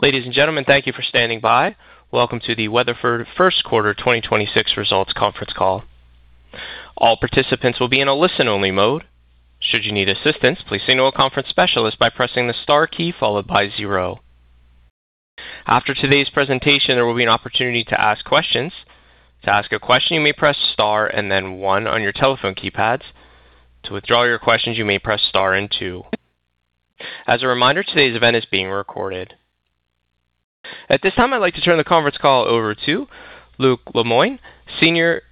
Ladies and gentlemen thank you for standing by. Welcome to the Weatherford Q1 2026 Results Conference Call. All participants will be in a listen-only mode. Should you need assistance, please signal a conference specialist by pressing the star key followed by zero. After today's presentation, there will be an opportunity to ask questions. To ask a question, you may press star and then one on your telephone keypads. To withdraw your questions, you may press star and two. As a reminder, today's event is being recorded. At this time, I'd like to turn the conference call over to Luke Lemoine, Senior Vice President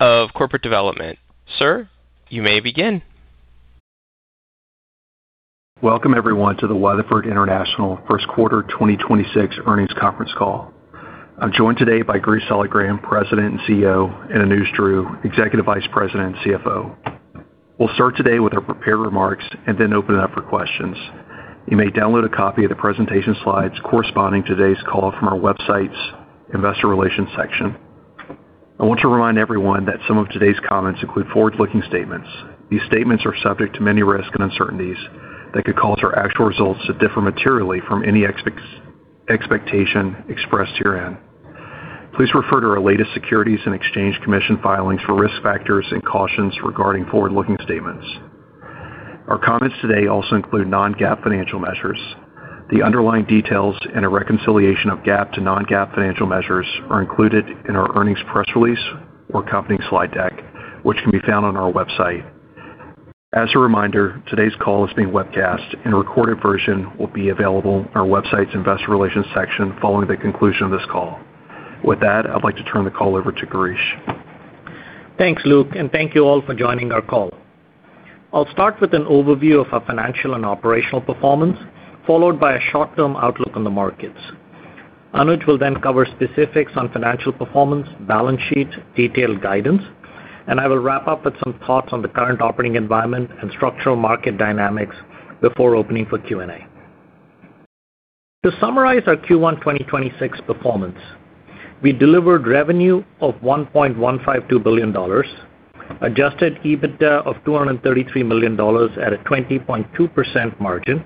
of Corporate Development. Sir, you may begin. Welcome everyone to the Weatherford International Q1 2026 Earnings Conference Call. I'm joined today by Girish Saligram, President and CEO, and Anuj Dhruv, Executive Vice President and CFO. We'll start today with our prepared remarks and then open it up for questions. You may download a copy of the presentation slides corresponding to today's call from our website's investor relations section. I want to remind everyone that some of today's comments include forward-looking statements. These statements are subject to many risks and uncertainties that could cause our actual results to differ materially from any expectation expressed herein. Please refer to our latest Securities and Exchange Commission filings for risk factors and cautions regarding forward-looking statements. Our comments today also include non-GAAP financial measures. The underlying details and a reconciliation of GAAP to non-GAAP financial measures are included in our earnings press release or accompanying slide deck, which can be found on our website. As a reminder, today's call is being webcast and a recorded version will be available on our website's investor relations section following the conclusion of this call. With that, I'd like to turn the call over to Girish. Thanks Luke, and thank you all for joining our call. I'll start with an overview of our financial and operational performance, followed by a short-term outlook on the markets. Anuj will then cover specifics on financial performance, balance sheets, detailed guidance, and I will wrap up with some thoughts on the current operating environment and structural market dynamics before opening for Q&A. To summarize our Q1 2026 performance, we delivered revenue of $1.152 billion, adjusted EBITDA of $233 million at a 20.2% margin,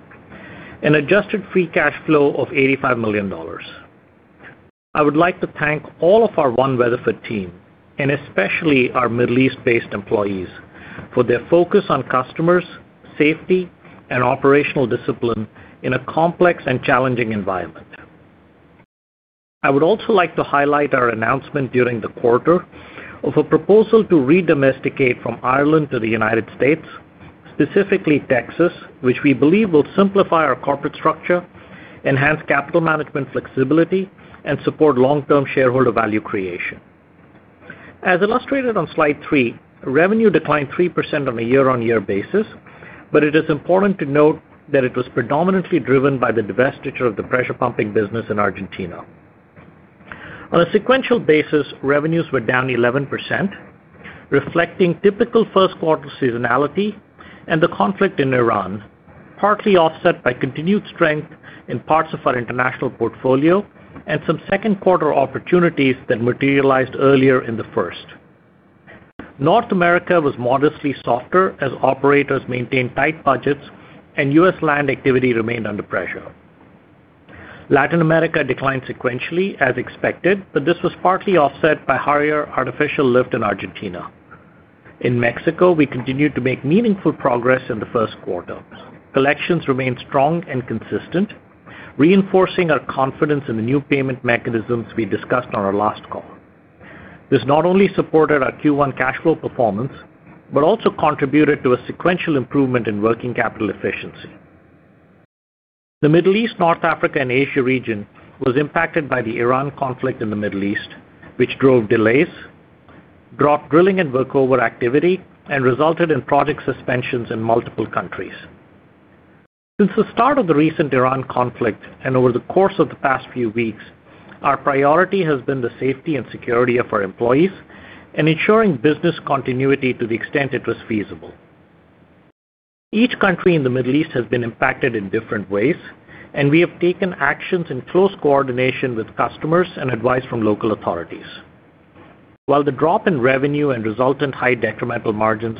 and adjusted free cash flow of $85 million. I would like to thank all of our One Weatherford team, and especially our Middle East-based employees for their focus on customers, safety, and operational discipline in a complex and challenging environment. I would also like to highlight our announcement during the quarter of a proposal to redomesticate from Ireland to the United States, specifically Texas, which we believe will simplify our corporate structure, enhance capital management flexibility, and support long-term shareholder value creation. As illustrated on slide three, revenue declined 3% on a year-on-year basis, but it is important to note that it was predominantly driven by the divestiture of the pressure pumping business in Argentina. On a sequential basis, revenues were down 11%, reflecting typical Q1 seasonality and the conflict in Iran, partly offset by continued strength in parts of our international portfolio and some Q2 opportunities that materialized earlier in the Q1. North America was modestly softer as operators maintained tight budgets and U.S. land activity remained under pressure. Latin America declined sequentially as expected, but this was partly offset by higher artificial lift in Argentina. In Mexico, we continued to make meaningful progress in the Q1. Collections remained strong and consistent, reinforcing our confidence in the new payment mechanisms we discussed on our last call. This not only supported our Q1 cash flow performance but also contributed to a sequential improvement in working capital efficiency. The Middle East, North Africa, and Asia region was impacted by the Iran conflict in the Middle East, which drove delays, dropped drilling and workover activity, and resulted in project suspensions in multiple countries. Since the start of the recent Iran conflict, and over the course of the past few weeks, our priority has been the safety and security of our employees and ensuring business continuity to the extent it was feasible. Each country in the Middle East has been impacted in different ways, and we have taken actions in close coordination with customers and advice from local authorities. While the drop in revenue and resultant high detrimental margins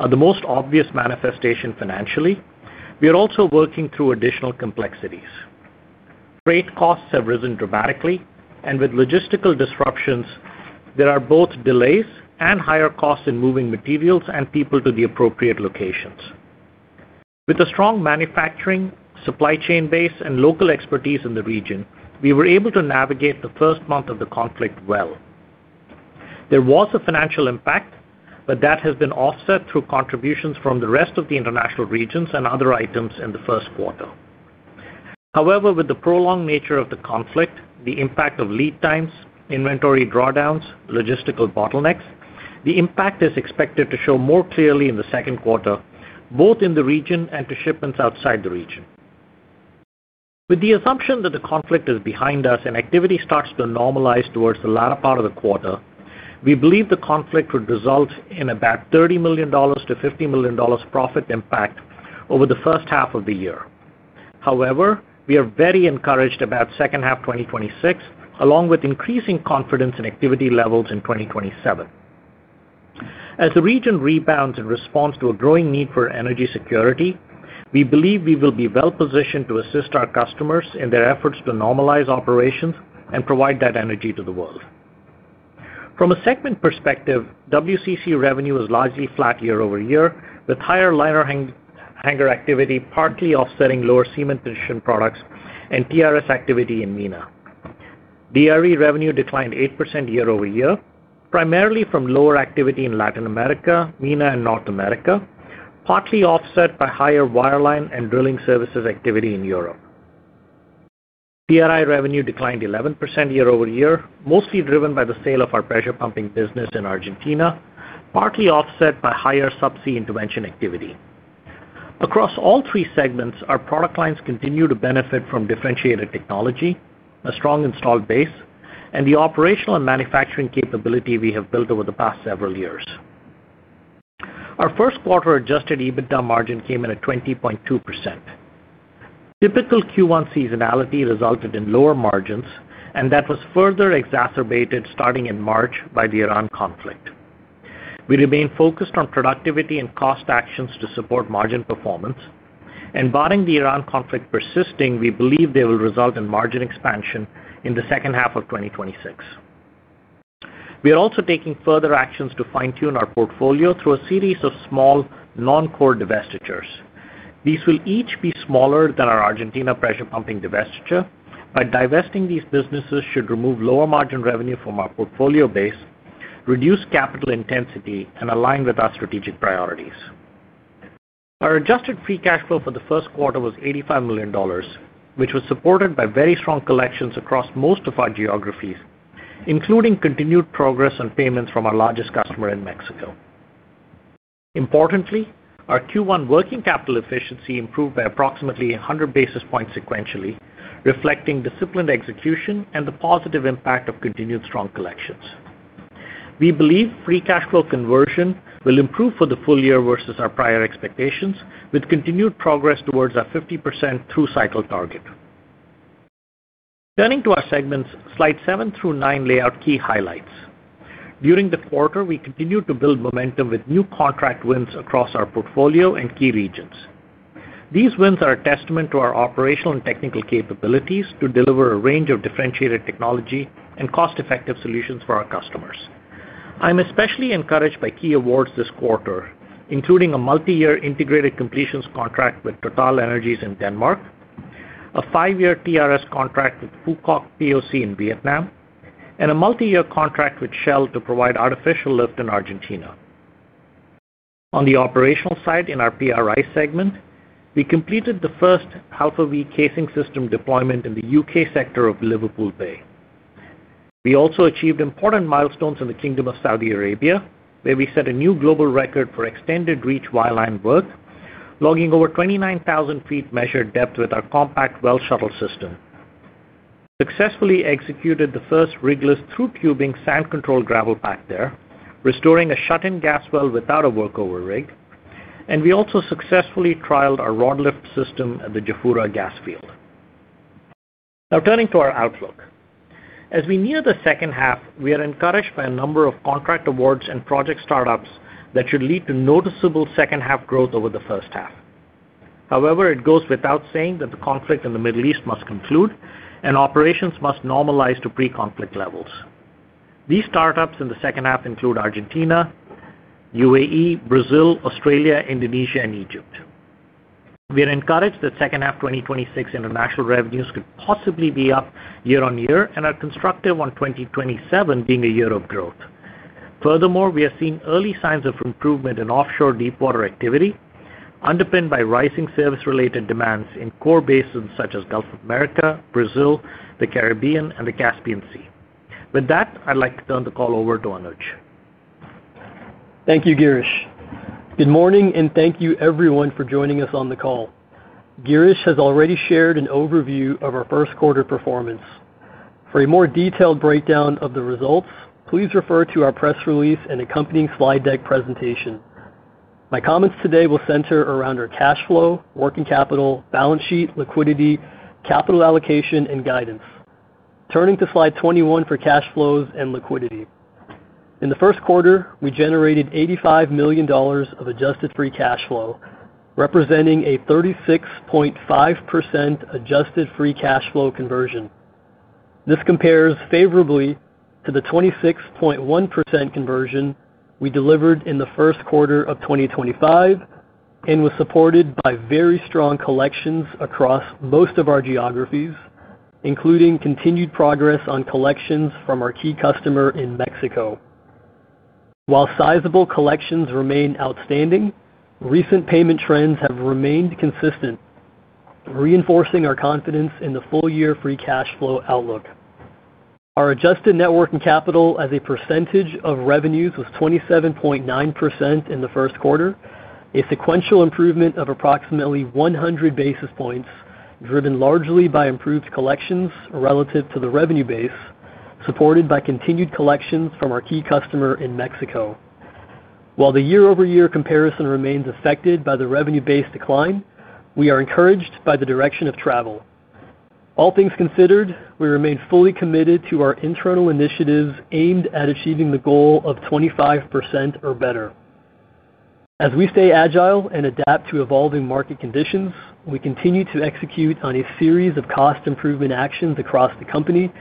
are the most obvious manifestation financially, we are also working through additional complexities. Freight costs have risen dramatically, and with logistical disruptions, there are both delays and higher costs in moving materials and people to the appropriate locations. With a strong manufacturing, supply chain base, and local expertise in the region, we were able to navigate the first month of the conflict well. There was a financial impact, but that has been offset through contributions from the rest of the international regions and other items in the Q1. However, with the prolonged nature of the conflict, the impact of lead times, inventory drawdowns, logistical bottlenecks, the impact is expected to show more clearly in the Q2, both in the region and to shipments outside the region. With the assumption that the conflict is behind us and activity starts to normalize towards the latter part of the quarter, we believe the conflict would result in about $30 million-$50 million profit impact over the H1 of the year. However, we are very encouraged about H2 2026, along with increasing confidence in activity levels in 2027. As the region rebounds in response to a growing need for energy security, we believe we will be well-positioned to assist our customers in their efforts to normalize operations and provide that energy to the world. From a segment perspective, WCC revenue is largely flat year-over-year, with higher liner hanger activity partly offsetting lower cementitious products and TRS activity in MENA. DRE revenue declined 8% year-over-year, primarily from lower activity in Latin America, MENA, and North America, partly offset by higher wireline and drilling services activity in Europe. PRI revenue declined 11% year-over-year, mostly driven by the sale of our pressure pumping business in Argentina, partly offset by higher subsea intervention activity. Across all three segments, our product lines continue to benefit from differentiated technology, a strong installed base, and the operational and manufacturing capability we have built over the past several years. Our Q1 adjusted EBITDA margin came in at 20.2%. Typical Q1 seasonality resulted in lower margins, and that was further exacerbated starting in March by the Iran conflict. We remain focused on productivity and cost actions to support margin performance, and barring the Iran conflict persisting, we believe they will result in margin expansion in the H2 of 2026. We are also taking further actions to fine-tune our portfolio through a series of small non-core divestitures. These will each be smaller than our Argentina pressure pumping divestiture. By divesting these businesses, we should remove lower margin revenue from our portfolio base, reduce capital intensity, and align with our strategic priorities. Our adjusted free cash flow for the Q1 was $85 million, which was supported by very strong collections across most of our geographies, including continued progress on payments from our largest customer in Mexico. Importantly, our Q1 working capital efficiency improved by approximately 100 basis points sequentially, reflecting disciplined execution and the positive impact of continued strong collections. We believe free cash flow conversion will improve for the full year versus our prior expectations, with continued progress towards our 50% through-cycle target. Turning to our segments, slides seven through nine lay out key highlights. During the quarter, we continued to build momentum with new contract wins across our portfolio and key regions. These wins are a testament to our operational and technical capabilities to deliver a range of differentiated technology and cost-effective solutions for our customers. I'm especially encouraged by key awards this quarter, including a multi-year integrated completions contract with TotalEnergies in Denmark, a five-year TRS contract with Phu Quoc POC in Vietnam, and a multi-year contract with Shell to provide artificial lift in Argentina. On the operational side, in our PRI segment, we completed the first Alpha V casing system deployment in the U.K. sector of Liverpool Bay. We also achieved important milestones in the Kingdom of Saudi Arabia, where we set a new global record for extended reach wireline work, logging over 29,000 feet measured depth with our Compact Well Shuttle system. Successfully executed the first rigless through-tubing sand control gravel pack there, restoring a shut-in gas well without a workover rig. We also successfully trialed our rod lift system at the Ghawar gas field. Now turning to our outlook. As we near the H2, we are encouraged by a number of contract awards and project startups that should lead to noticeable H2 growth over the H1. However, it goes without saying that the conflict in the Middle East must conclude and operations must normalize to pre-conflict levels. These startups in the H2 include Argentina, UAE, Brazil, Australia, Indonesia, and Egypt. We are encouraged that H2 2026 international revenues could possibly be up year on year and are constructive on 2027 being a year of growth. Furthermore, we are seeing early signs of improvement in offshore deepwater activity, underpinned by rising service-related demands in core basins such as Gulf of Mexico, Brazil, the Caribbean, and the Caspian Sea. With that, I'd like to turn the call over to Anuj. Thank you Girish. Good morning, and thank you everyone for joining us on the call. Girish has already shared an overview of our Q1 performance. For a more detailed breakdown of the results, please refer to our press release and accompanying slide deck presentation. My comments today will center around our cash flow, working capital, balance sheet, liquidity, capital allocation, and guidance. Turning to slide 21 for cash flows and liquidity. In the Q1, we generated $85 million of adjusted free cash flow, representing a 36.5% adjusted free cash flow conversion. This compares favorably to the 26.1% conversion we delivered in the Q1 of 2025 and was supported by very strong collections across most of our geographies, including continued progress on collections from our key customer in Mexico. While sizable collections remain outstanding, recent payment trends have remained consistent, reinforcing our confidence in the full-year free cash flow outlook. Our adjusted net working capital as a percentage of revenues was 27.9% in the Q1, a sequential improvement of approximately 100 basis points, driven largely by improved collections relative to the revenue base, supported by continued collections from our key customer in Mexico. While the year-over-year comparison remains affected by the revenue base decline, we are encouraged by the direction of travel. All things considered, we remain fully committed to our internal initiatives aimed at achieving the goal of 25% or better. As we stay agile and adapt to evolving market conditions, we continue to execute on a series of cost improvement actions across the company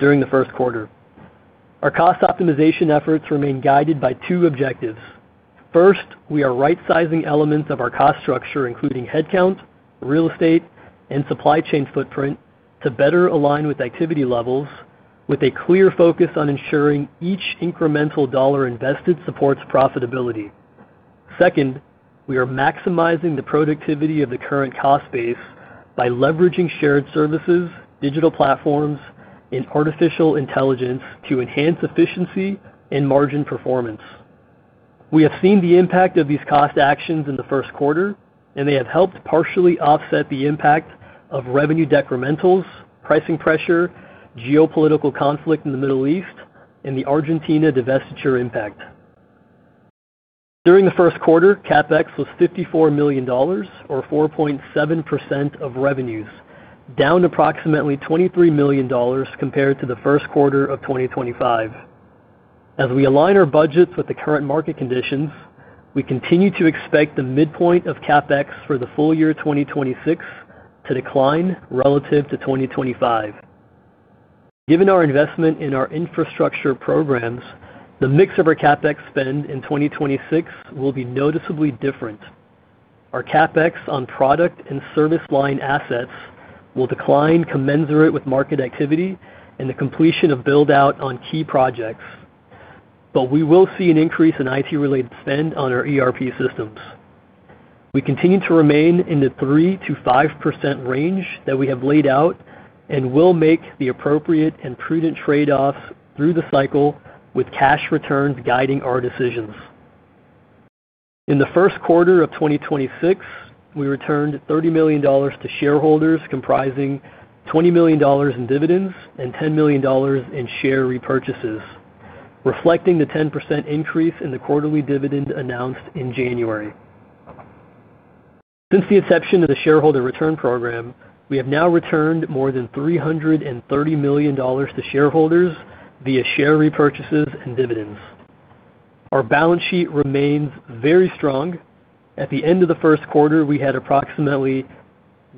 during the Q1. Our cost optimization efforts remain guided by two objectives. First, we are right-sizing elements of our cost structure, including headcount, real estate, and supply chain footprint to better align with activity levels, with a clear focus on ensuring each incremental dollar invested supports profitability. Second, we are maximizing the productivity of the current cost base by leveraging shared services, digital platforms, and artificial intelligence to enhance efficiency and margin performance. We have seen the impact of these cost actions in the Q1, and they have helped partially offset the impact of revenue decrementals, pricing pressure, geopolitical conflict in the Middle East, and the Argentina divestiture impact. During the Q1, CapEx was $54 million, or 4.7% of revenues, down approximately $23 million compared to the Q1 of 2025. As we align our budgets with the current market conditions, we continue to expect the midpoint of CapEx for the full year 2026 to decline relative to 2025. Given our investment in our infrastructure programs, the mix of our CapEx spend in 2026 will be noticeably different. Our CapEx on product and service line assets will decline commensurate with market activity and the completion of build-out on key projects, but we will see an increase in IT-related spend on our ERP systems. We continue to remain in the 3%-5% range that we have laid out and will make the appropriate and prudent trade-offs through the cycle with cash returns guiding our decisions. In the Q1 of 2026, we returned $30 million to shareholders, comprising $20 million in dividends and $10 million in share repurchases, reflecting the 10% increase in the quarterly dividend announced in January. Since the inception of the shareholder return program, we have now returned more than $330 million to shareholders via share repurchases and dividends. Our balance sheet remains very strong. At the end of the Q1, we had approximately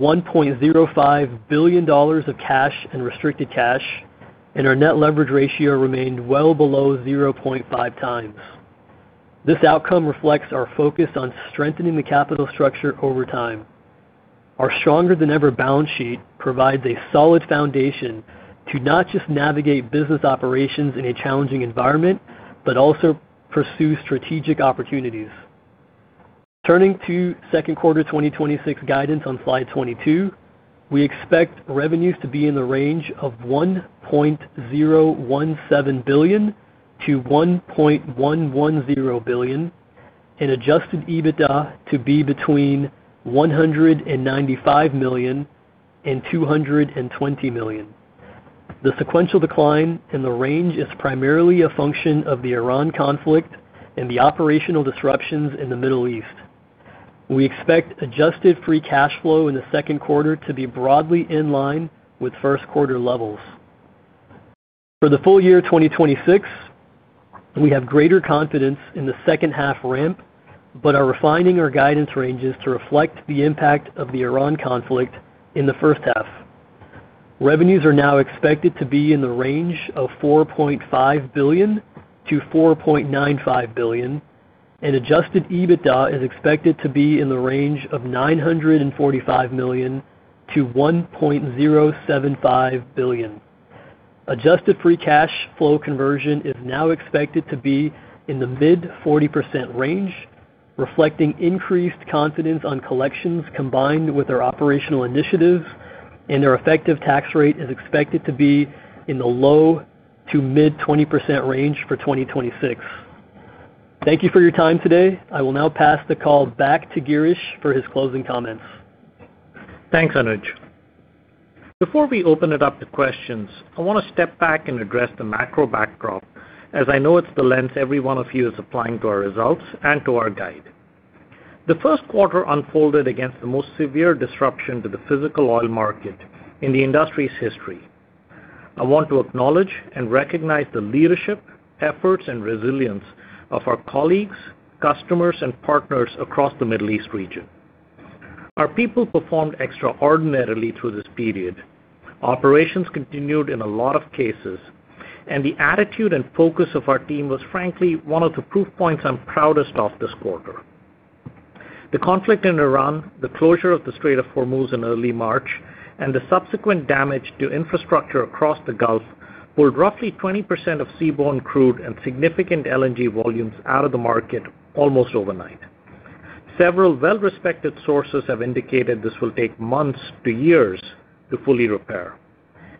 $1.05 billion of cash and restricted cash, and our net leverage ratio remained well below 0.5x. This outcome reflects our focus on strengthening the capital structure over time. Our stronger-than-ever balance sheet provides a solid foundation to not just navigate business operations in a challenging environment, but also pursue strategic opportunities. Turning to Q2 2026 guidance on slide 22, we expect revenues to be in the range of $1.017 billion-$1.110 billion, and adjusted EBITDA to be between $195 million and $220 million. The sequential decline in the range is primarily a function of the Iran conflict and the operational disruptions in the Middle East. We expect adjusted free cash flow in the Q2 to be broadly in line with Q1 levels. For the full year 2026, we have greater confidence in the H2 ramp, but are refining our guidance ranges to reflect the impact of the Iran conflict in the H1. Revenues are now expected to be in the range of $4.5 billion-$4.95 billion, and adjusted EBITDA is expected to be in the range of $945 million-$1.075 billion. Adjusted free cash flow conversion is now expected to be in the mid-40% range, reflecting increased confidence on collections combined with our operational initiatives, and our effective tax rate is expected to be in the low- to mid-20% range for 2026. Thank you for your time today. I will now pass the call back to Girish for his closing comments. Thanks, Anuj. Before we open it up to questions, I want to step back and address the macro backdrop, as I know it's the lens every one of you is applying to our results and to our guide. The Q1 unfolded against the most severe disruption to the physical oil market in the industry's history. I want to acknowledge and recognize the leadership, efforts, and resilience of our colleagues, customers, and partners across the Middle East region. Our people performed extraordinarily through this period. Operations continued in a lot of cases, and the attitude and focus of our team was, frankly, one of the proof points I'm proudest of this quarter. The conflict in Iran, the closure of the Strait of Hormuz in early March, and the subsequent damage to infrastructure across the Gulf pulled roughly 20% of seaborne crude and significant LNG volumes out of the market almost overnight. Several well-respected sources have indicated this will take months to years to fully repair.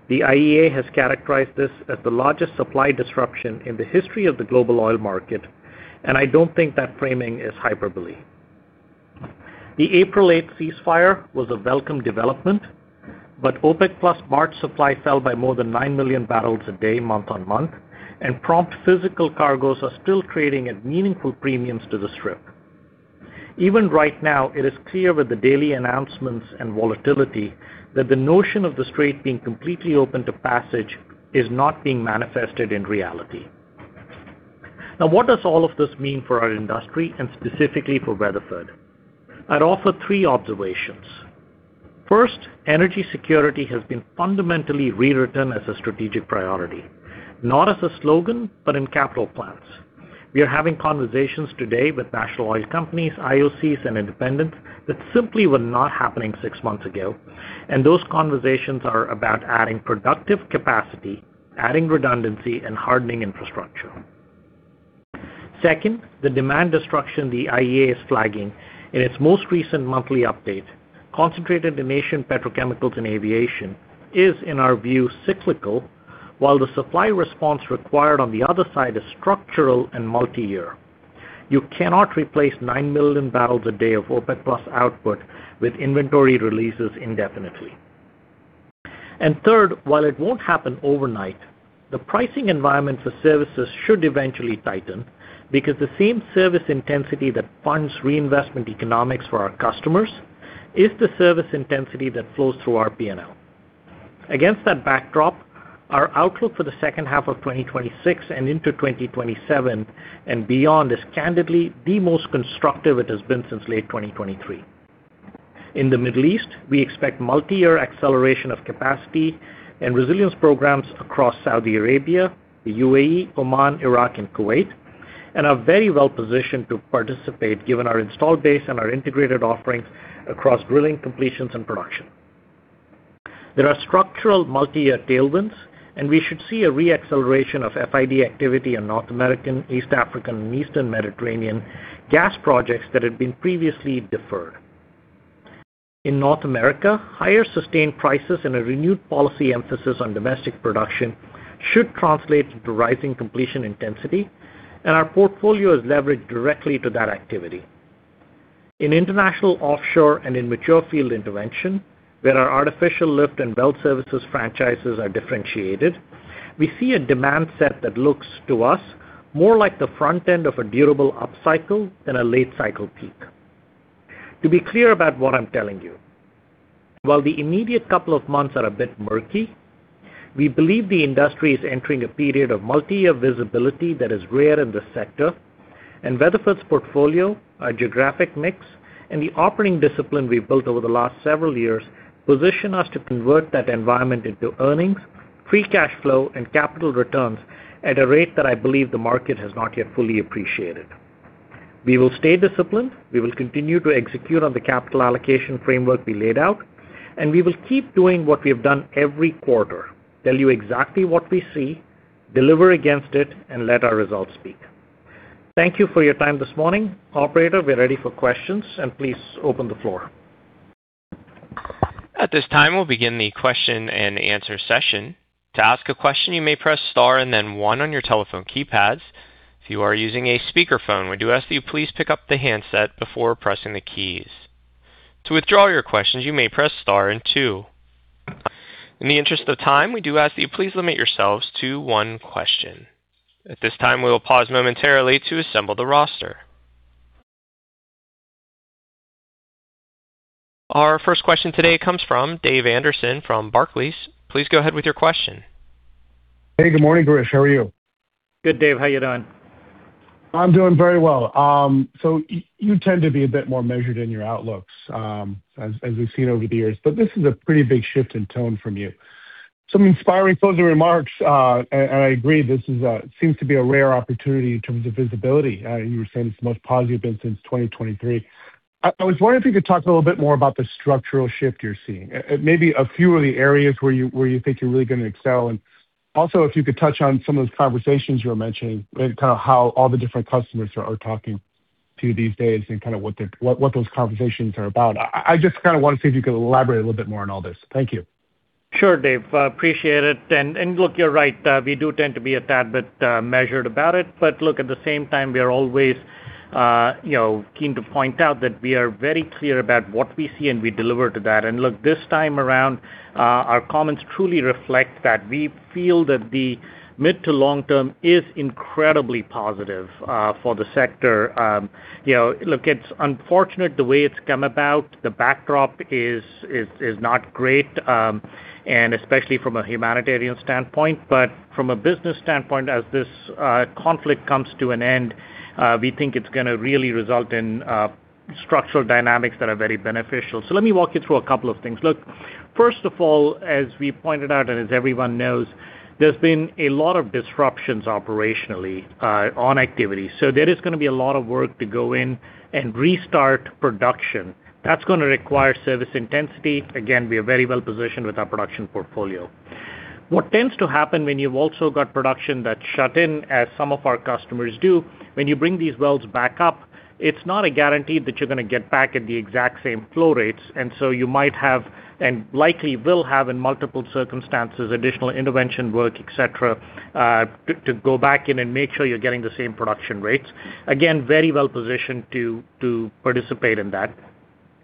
The IEA has characterized this as the largest supply disruption in the history of the global oil market, and I don't think that framing is hyperbole. The April 8th ceasefire was a welcome development, but OPEC+ March supply fell by more than 9 million barrels a day, month-on-month, and prompt physical cargoes are still trading at meaningful premiums to the strip. Even right now, it is clear with the daily announcements and volatility that the notion of the Strait being completely open to passage is not being manifested in reality. Now, what does all of this mean for our industry and specifically for Weatherford? I'd offer three observations. First, energy security has been fundamentally rewritten as a strategic priority, not as a slogan, but in capital plans. We are having conversations today with national oil companies, IOCs, and independents that simply were not happening six months ago, and those conversations are about adding productive capacity, adding redundancy, and hardening infrastructure. Second, the demand destruction the IEA is flagging in its most recent monthly update, concentrated in Asian petrochemicals and aviation, is, in our view, cyclical, while the supply response required on the other side is structural and multi-year. You cannot replace 9 million barrels a day of OPEC+ output with inventory releases indefinitely. Third, while it won't happen overnight, the pricing environment for services should eventually tighten because the same service intensity that funds reinvestment economics for our customers is the service intensity that flows through our P&L. Against that backdrop, our outlook for the H2 of 2026 and into 2027 and beyond is candidly the most constructive it has been since late 2023. In the Middle East, we expect multi-year acceleration of capacity and resilience programs across Saudi Arabia, the UAE, Oman, Iraq, and Kuwait, and are very well positioned to participate given our installed base and our integrated offerings across drilling completions and production. There are structural multi-year tailwinds, and we should see a re-acceleration of FID activity in North American, East African, and Eastern Mediterranean gas projects that had been previously deferred. In North America, higher sustained prices and a renewed policy emphasis on domestic production should translate to rising completion intensity, and our portfolio is leveraged directly to that activity. In international offshore and in mature field intervention, where our artificial lift and well services franchises are differentiated, we see a demand set that looks, to us, more like the front end of a durable upcycle than a late cycle peak. To be clear about what I'm telling you, while the immediate couple of months are a bit murky, we believe the industry is entering a period of multi-year visibility that is rare in this sector, and Weatherford's portfolio, our geographic mix, and the operating discipline we've built over the last several years position us to convert that environment into earnings, free cash flow, and capital returns at a rate that I believe the market has not yet fully appreciated. We will stay disciplined. We will continue to execute on the capital allocation framework we laid out, and we will keep doing what we have done every quarter, tell you exactly what we see, deliver against it, and let our results speak. Thank you for your time this morning. Operator, we are ready for questions, and please open the floor. At this time, we'll begin the question and answer session. To ask a question, you may press star and then one on your telephone keypads. If you are using a speakerphone, we do ask that you please pick up the handset before pressing the keys. To withdraw your questions, you may press star and two. In the interest of time, we do ask that you please limit yourselves to one question. At this time, we will pause momentarily to assemble the roster. Our first question today comes from David Anderson from Barclays. Please go ahead with your question. Hey, good morning, Girish. How are you? Good, Dave. How you doing? I'm doing very well. You tend to be a bit more measured in your outlooks as we've seen over the years, but this is a pretty big shift in tone from you. Some inspiring closing remarks. I agree, this seems to be a rare opportunity in terms of visibility. You were saying it's the most positive been since 2023. I was wondering if you could talk a little bit more about the structural shift you're seeing, maybe a few of the areas where you think you're really gonna excel, and also if you could touch on some of those conversations you were mentioning, kind of how all the different customers are talking to you these days and kind of what those conversations are about. I just kind of want to see if you could elaborate a little bit more on all this? Thank you. Sure, Dave. Appreciate it. Look, you're right. We do tend to be a tad bit measured about it. Look, at the same time, we are always keen to point out that we are very clear about what we see, and we deliver to that. Look, this time around, our comments truly reflect that we feel that the mid to long term is incredibly positive for the sector. Look, it's unfortunate the way it's come about. The backdrop is not great, and especially from a humanitarian standpoint. From a business standpoint, as this conflict comes to an end, we think it's gonna really result in structural dynamics that are very beneficial. Let me walk you through a couple of things. Look, first of all, as we pointed out and as everyone knows, there's been a lot of disruptions operationally on activity. There is gonna be a lot of work to go in and restart production. That's gonna require service intensity. Again, we are very well positioned with our production portfolio. What tends to happen when you've also got production that's shut in, as some of our customers do, when you bring these wells back up, it's not a guarantee that you're gonna get back at the exact same flow rates. You might have, and likely will have in multiple circumstances, additional intervention work, et cetera, to go back in and make sure you're getting the same production rates. Again, very well positioned to participate in that.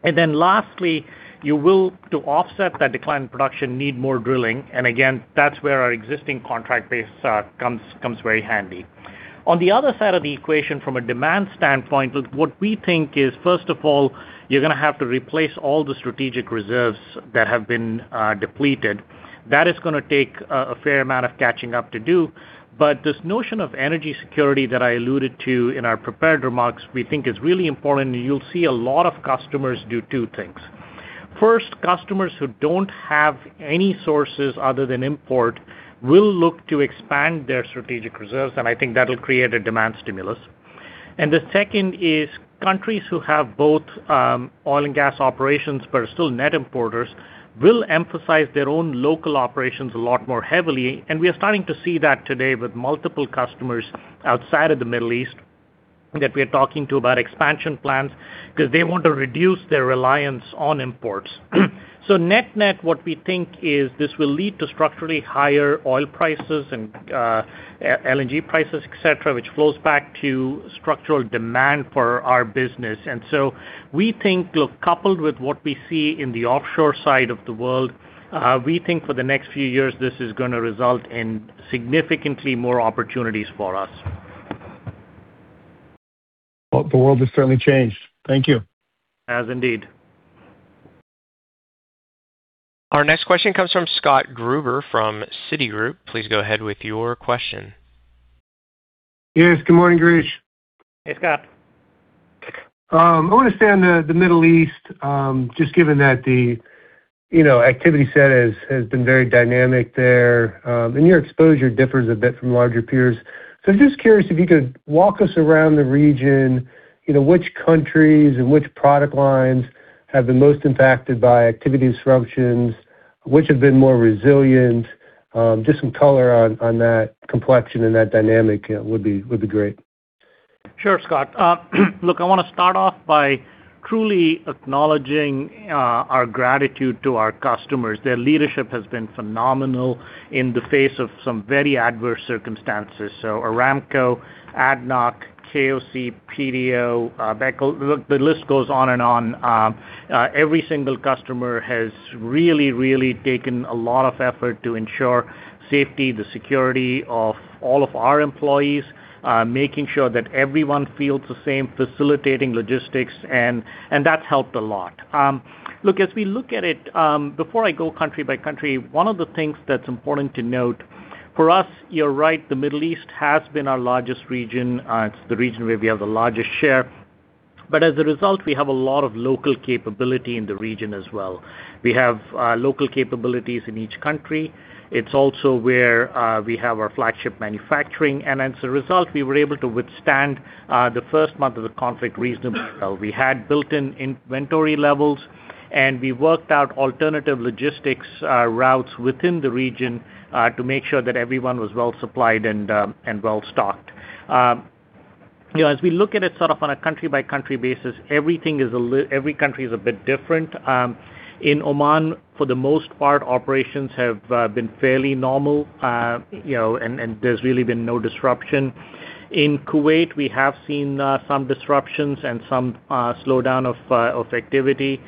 Lastly, you will, to offset that decline in production, need more drilling. Again, that's where our existing contract base comes very handy. On the other side of the equation, from a demand standpoint, look, what we think is, first of all, you're gonna have to replace all the strategic reserves that have been depleted. That is gonna take a fair amount of catching up to do. This notion of energy security that I alluded to in our prepared remarks, we think is really important, and you'll see a lot of customers do two things. First, customers who don't have any sources other than import will look to expand their strategic reserves, and I think that'll create a demand stimulus. The second is countries who have both oil and gas operations, but are still net importers, will emphasize their own local operations a lot more heavily. We are starting to see that today with multiple customers outside of the Middle East that we are talking to about expansion plans because they want to reduce their reliance on imports. Net-net, what we think is this will lead to structurally higher oil prices and LNG prices, et cetera, which flows back to structural demand for our business. We think coupled with what we see in the offshore side of the world, we think for the next few years, this is gonna result in significantly more opportunities for us. Well, the world has certainly changed. Thank you. Has indeed. Our next question comes from Scott Gruber from Citigroup. Please go ahead with your question. Yes. Good morning, Girish. Hey, Scott. I want to stay on the Middle East, just given that the activity set has been very dynamic there, and your exposure differs a bit from larger peers. I'm just curious if you could walk us around the region, which countries and which product lines have been most impacted by activity disruptions, which have been more resilient. Just some color on that complexion and that dynamic would be great. Sure, Scott. Look, I wanna start off by truly acknowledging our gratitude to our customers. Their leadership has been phenomenal in the face of some very adverse circumstances. Aramco, ADNOC, KOC, PDO, Bechtel, the list goes on and on. Every single customer has really, really taken a lot of effort to ensure safety, the security of all of our employees, making sure that everyone feels the same, facilitating logistics, and that's helped a lot. Look, as we look at it, before I go country by country, one of the things that's important to note, for us, you're right, the Middle East has been our largest region. It's the region where we have the largest share. As a result, we have a lot of local capability in the region as well. We have local capabilities in each country. It's also where we have our flagship manufacturing. As a result, we were able to withstand the first month of the conflict reasonably well. We had built-in inventory levels, and we worked out alternative logistics routes within the region to make sure that everyone was well supplied and well-stocked. As we look at it sort of on a country-by-country basis, every country is a bit different. In Oman, for the most part, operations have been fairly normal, and there's really been no disruption. In Kuwait, we have seen some disruptions and some slowdown of activity.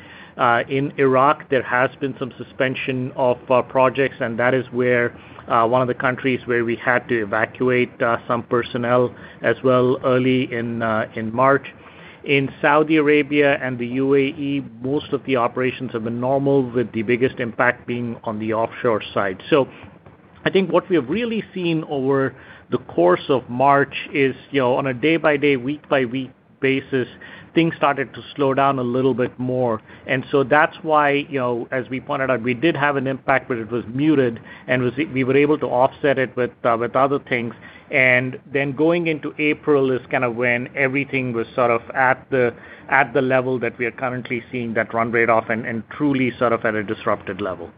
In Iraq, there has been some suspension of projects, and that is where one of the countries where we had to evacuate some personnel as well early in March. In Saudi Arabia and the UAE, most of the operations have been normal, with the biggest impact being on the offshore side. I think what we have really seen over the course of March is on a day-by-day, week-by-week basis, things started to slow down a little bit more. That's why, as we pointed out, we did have an impact, but it was muted, and we were able to offset it with other things. Going into April is kind of when everything was sort of at the level that we are currently seeing that run rate off and truly sort of at a disrupted level.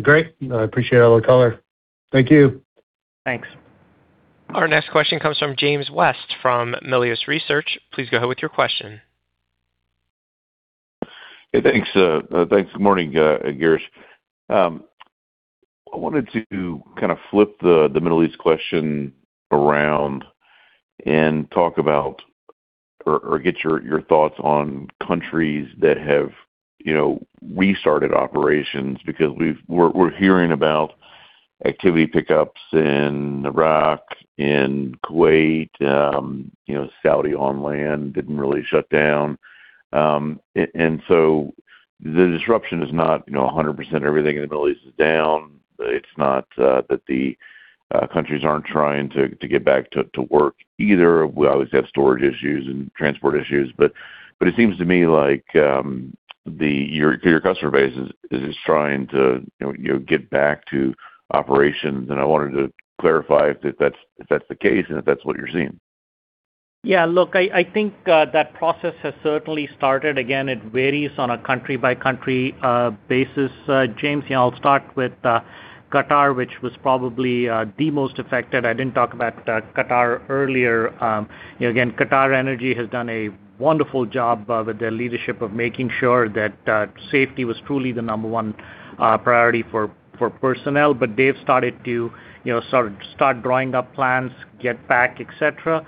Great. I appreciate all the color. Thank you. Thanks. Our next question comes from James West from Melius Research. Please go ahead with your question. Hey, thanks. Good morning, Girish. I wanted to kind of flip the Middle East question around and talk about or get your thoughts on countries that have restarted operations, because we're hearing about activity pickups in Iraq, in Kuwait. Saudi on land didn't really shut down. The disruption is not 100% everything in the Middle East is down. It's not that the countries aren't trying to get back to work either. We always have storage issues and transport issues, but it seems to me like your customer base is trying to get back to operations, and I wanted to clarify if that's the case and if that's what you're seeing. Yeah. Look, I think that process has certainly started. Again, it varies on a country-by-country basis. James, I'll start with Qatar, which was probably the most affected. I didn't talk about Qatar earlier. Again, QatarEnergy has done a wonderful job with their leadership of making sure that safety was truly the number one priority for personnel, but they've started drawing up plans, get back, et cetera.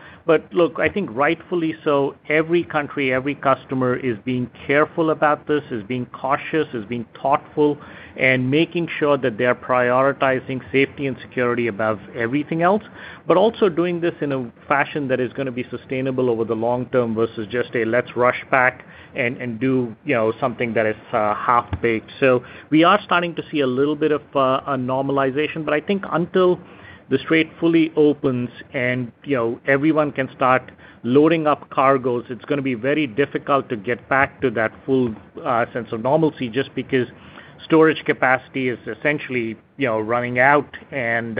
Look, I think rightfully so, every country, every customer is being careful about this, is being cautious, is being thoughtful and making sure that they are prioritizing safety and security above everything else, but also doing this in a fashion that is going to be sustainable over the long term versus just a, "Let's rush back and do something that is half-baked." We are starting to see a little bit of a normalization. I think until the strait fully opens and everyone can start loading up cargoes, it's going to be very difficult to get back to that full sense of normalcy just because storage capacity is essentially running out, and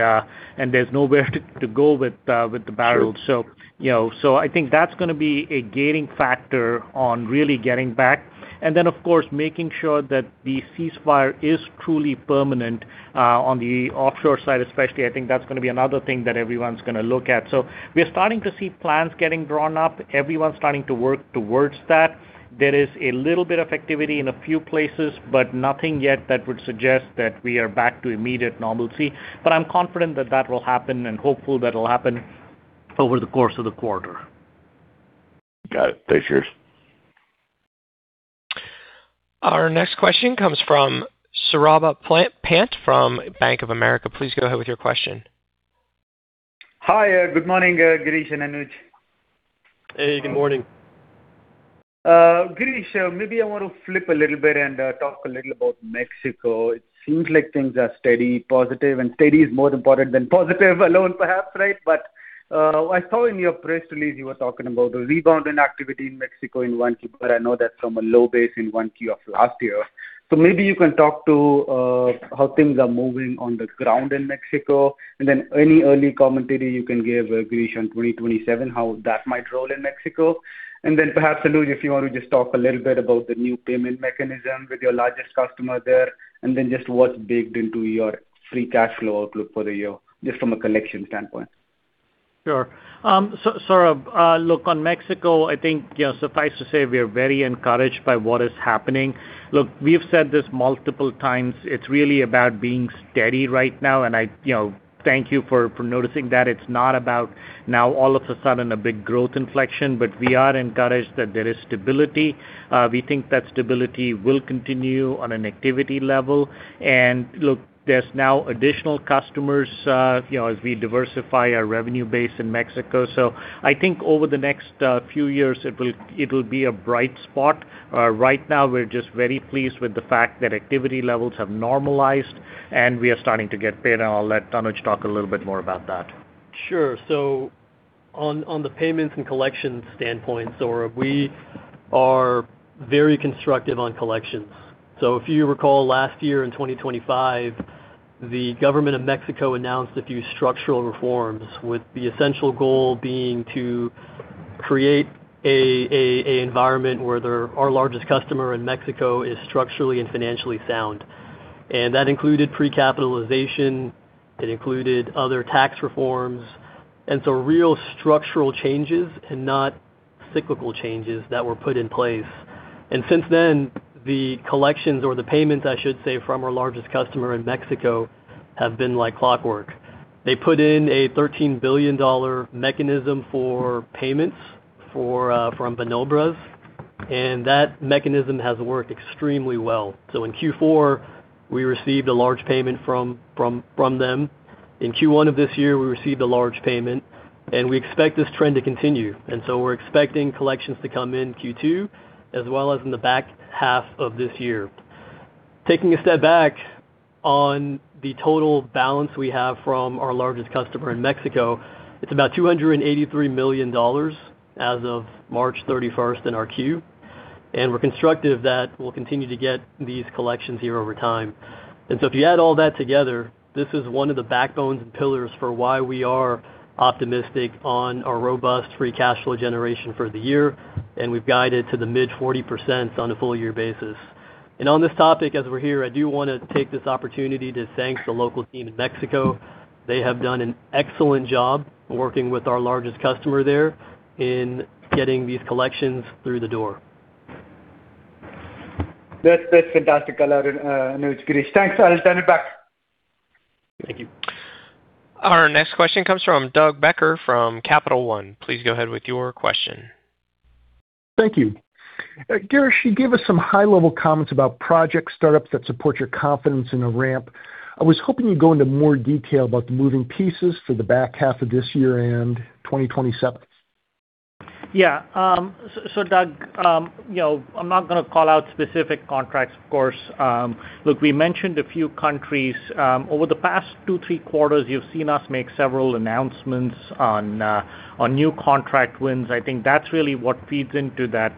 there's nowhere to go with the barrels. Sure. I think that's going to be a gating factor on really getting back. Then, of course, making sure that the ceasefire is truly permanent on the offshore side especially, I think that's going to be another thing that everyone's going to look at. We are starting to see plans getting drawn up. Everyone's starting to work towards that. There is a little bit of activity in a few places, but nothing yet that would suggest that we are back to immediate normalcy. I'm confident that will happen and hopeful that'll happen over the course of the quarter. Got it. Thanks, Girish. Our next question comes from Saurabh Pant from Bank of America. Please go ahead with your question. Hi. Good morning, Girish and Anuj. Hey, good morning. Girish, maybe I want to flip a little bit and talk a little about Mexico. It seems like things are steady, positive, and steady is more important than positive alone, perhaps. I saw in your press release you were talking about the rebound in activity in Mexico in 1Q, but I know that's from a low base in 1Q of last year. Maybe you can talk to how things are moving on the ground in Mexico, and then any early commentary you can give, Girish, on 2027, how that might roll in Mexico. Then perhaps, Anuj, if you want to just talk a little bit about the new payment mechanism with your largest customer there, and then just what's baked into your free cash flow outlook for the year, just from a collection standpoint. Sure. Saurabh, look, on Mexico, I think suffice to say we are very encouraged by what is happening. Look, we've said this multiple times. It's really about being steady right now, and I thank you for noticing that. It's not about now all of a sudden a big growth inflection. We are encouraged that there is stability. We think that stability will continue on an activity level. Look, there's now additional customers as we diversify our revenue base in Mexico. I think over the next few years, it'll be a bright spot. Right now, we're just very pleased with the fact that activity levels have normalized, and we are starting to get paid. I'll let Anuj talk a little bit more about that. Sure. On the payments and collections standpoint, Saurabh, we are very constructive on collections. If you recall, last year in 2025, the government of Mexico announced a few structural reforms with the essential goal being to create an environment where our largest customer in Mexico is structurally and financially sound. That included recapitalization. It included other tax reforms. Real structural changes and not cyclical changes that were put in place. Since then, the collections or the payments, I should say, from our largest customer in Mexico have been like clockwork. They put in a $13 billion mechanism for payments from Pemex, and that mechanism has worked extremely well. In Q4, we received a large payment from them. In Q1 of this year, we received a large payment, and we expect this trend to continue. We're expecting collections to come in Q2 as well as in the back half of this year. Taking a step back on the total balance we have from our largest customer in Mexico, it's about $283 million as of March 31st in our Q. We're constructive that we'll continue to get these collections here over time. If you add all that together, this is one of the backbones and pillars for why we are optimistic on our robust free cash flow generation for the year. We've guided to the mid 40% on a full year basis. On this topic, as we're here, I do want to take this opportunity to thank the local team in Mexico. They have done an excellent job working with our largest customer there in getting these collections through the door. That's fantastic. Anuj, Girish, thanks. I'll turn it back. Thank you. Our next question comes from Doug Becker from Capital One. Please go ahead with your question. Thank you. Girish, you gave us some high-level comments about project startups that support your confidence in a ramp. I was hoping you'd go into more detail about the moving pieces for the back half of this year and 2027. Yeah. Doug, I'm not going to call out specific contracts, of course. Look, we mentioned a few countries. Over the past two, three quarters, you've seen us make several announcements on new contract wins. I think that's really what feeds into that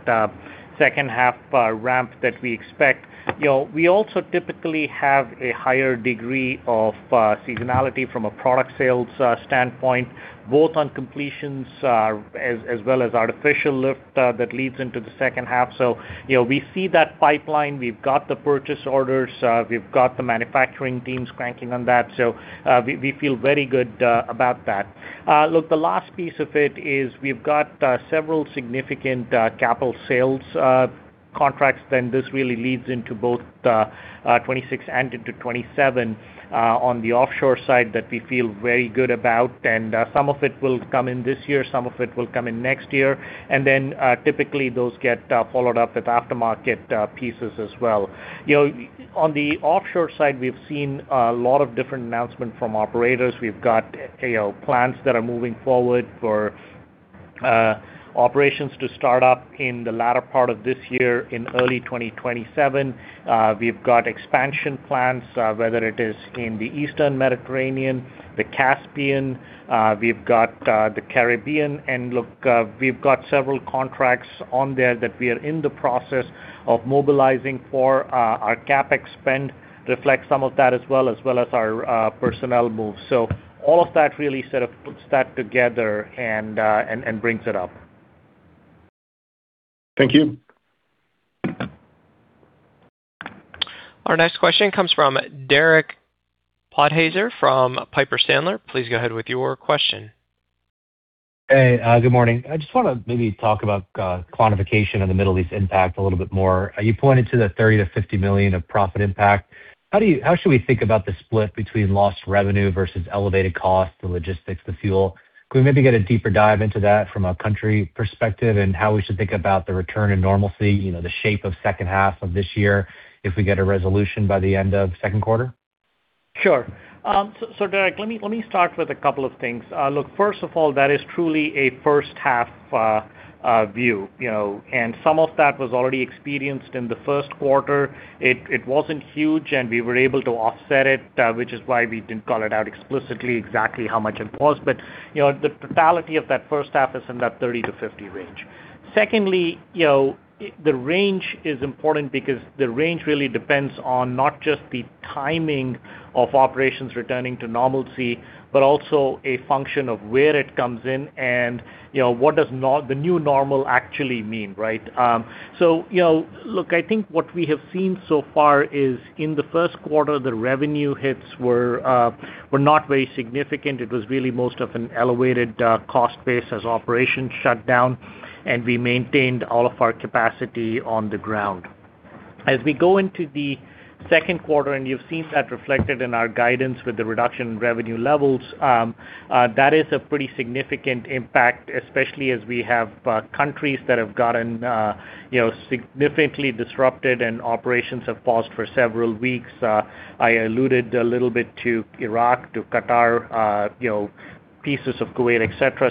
H2 ramp that we expect. We also typically have a higher degree of seasonality from a product sales standpoint, both on completions as well as artificial lift that leads into the H2. We see that pipeline. We've got the purchase orders, we've got the manufacturing teams cranking on that. We feel very good about that. Look, the last piece of it is we've got several significant capital sales contracts, then this really leads into both 2026 and into 2027 on the offshore side that we feel very good about. Some of it will come in this year, some of it will come in next year. Then, typically those get followed up with aftermarket pieces as well. On the offshore side, we've seen a lot of different announcements from operators. We've got plans that are moving forward for operations to start up in the latter part of this year, in early 2027. We've got expansion plans, whether it is in the Eastern Mediterranean, the Caspian, the Caribbean. Look, we've got several contracts on there that we are in the process of mobilizing for our CapEx spend, reflects some of that as well, as well as our personnel moves. All of that really sort of puts that together and brings it up. Thank you. Our next question comes from Derek Podhaizer from Piper Sandler. Please go ahead with your question. Hey, good morning. I just want to maybe talk about quantification of the Middle East impact a little bit more. You pointed to the $30-$50 million of profit impact. How should we think about the split between lost revenue versus elevated cost, the logistics, the fuel? Could we maybe get a deeper dive into that from a country perspective and how we should think about the return in normalcy, the shape of H2 of this year, if we get a resolution by the end of Q2? Sure. Derek, let me start with a couple of things. Look, first of all, that is truly a H1 view, and some of that was already experienced in the Q1. It wasn't huge, and we were able to offset it, which is why we didn't call it out explicitly exactly how much it was. The totality of that H1 is in that 30-50 range. Secondly, the range is important because the range really depends on not just the timing of operations returning to normalcy, but also a function of where it comes in and what does the new normal actually mean, right? Look, I think what we have seen so far is in the Q1, the revenue hits were not very significant. It was really mostly an elevated cost base as operations shut down, and we maintained all of our capacity on the ground. As we go into the Q2, and you've seen that reflected in our guidance with the reduction in revenue levels, that is a pretty significant impact, especially as we have countries that have gotten significantly disrupted and operations have paused for several weeks. I alluded a little bit to Iraq, to Qatar, pieces of Kuwait, et cetera,